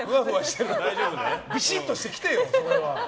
ビシッとして来てよ、それは。